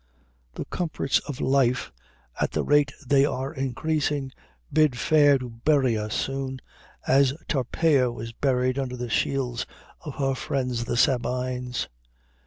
The comforts of life, at the rate they are increasing, bid fair to bury us soon, as Tarpeia was buried under the shields of her friends the Sabines.